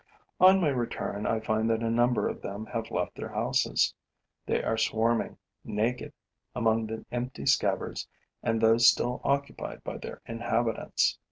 On my return, I find that a number of them have left their houses. They are swarming naked among the empty scabbards and those still occupied by their inhabitants.